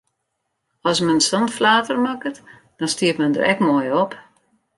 As men sa'n flater makket, dan stiet men der ek moai op!